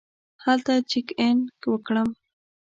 هلته چېک اېن وکړم.